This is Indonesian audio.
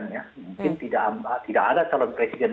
mungkin tidak ada calon presiden